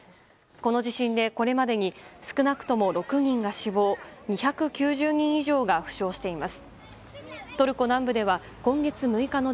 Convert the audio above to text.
この地震でこれまでに少なくとも６人が死亡２９０人以上が負傷しています。